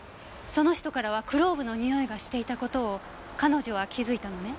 その人からはクローブのにおいがしていた事を彼女は気づいたのね。